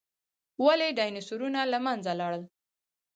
ولې ډیناسورونه له منځه لاړل؟